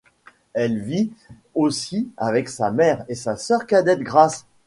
Elle vit aussi avec sa mère et sa sœur cadette, Grace.